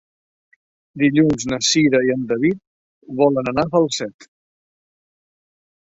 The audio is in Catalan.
Dilluns na Cira i en David volen anar a Falset.